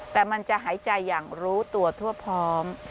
แต่มันจะหายใจอย่างรู้ตัวทั่วพร้อม